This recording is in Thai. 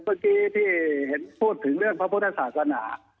เมื่อกี้ที่เห็นพูดถึงเรื่องพระพุทธศาสนา